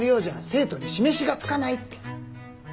生徒に示しがつかないって。